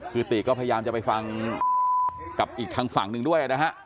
คือติก็พยายามจะไปฟังกับอีกทางฝั่งหนึ่งด้วยนะฮะ